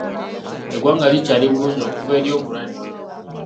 Eggwanga likyali bulungi okuva eri obulwadde.